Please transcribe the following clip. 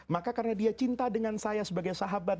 maka karena dia cinta dengan saya sebagai sahabat